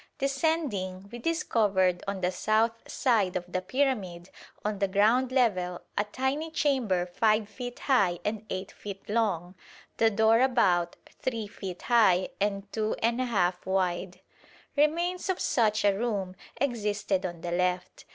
Descending, we discovered on the south side of the pyramid on the ground level a tiny chamber 5 feet high and 8 feet long, the door about 3 feet high and 2 1/2 wide. Remains of such a room existed on the left.